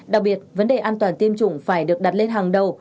đặc biệt vấn đề an toàn tiêm chủng phải được đặt lên hàng đầu